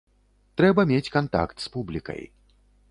Трэба мець кантакт з публікай.